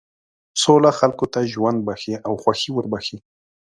سوله خلکو ته ژوند بښي او خوښي وربښي.